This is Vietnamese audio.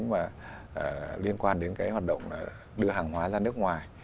những cái thủ tục hành chính mà liên quan đến cái hoạt động đưa hàng hóa ra nước ngoài